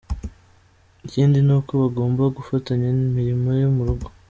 Ikindi ni uko bagomba gufatanya imirimo yo mu rugo.